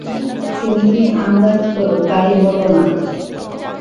তুমি কী আন্দাজ কর, তাই বলো না!